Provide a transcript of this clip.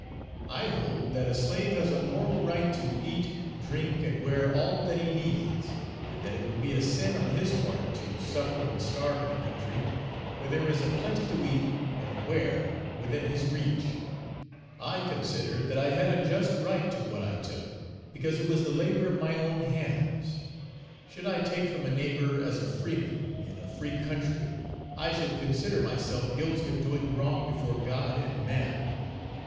I hold that a slave has a moral right to eat drink and wear all that he needs, and that it would be a sin on his part to suffer and starve in a country where there is a plenty to eat and wear within his reach. I consider that I had a just right to what I took, because it was the labor of my own hands. Should I take from a neighbor as a freeman, in a free country, I should consider myself guilty of doing wrong before God and man.